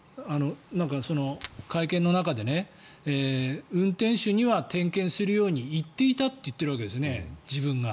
会見の中で運転手には点検するように言っていたと言っているわけですね、自分が。